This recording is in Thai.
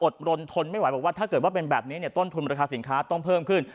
อดลนทนไม่ไหวว่าถ้าเกิดทนมรคาสินค้าต้องเพิ่มขึ้น